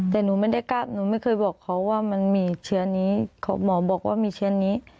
แต่หนูไม่ได้กล้าบหนูไม่เคยบอกเขาว่ามันมีเชียนนี้